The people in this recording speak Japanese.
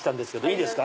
いいですか？